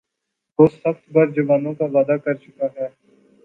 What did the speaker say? وہ سخت ہرجانوں کا وعدہ کر چُکا ہے